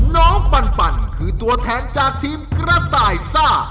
ปั่นคือตัวแทนจากทีมกระต่ายซ่า